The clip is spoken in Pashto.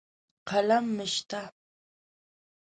قلم مې شته.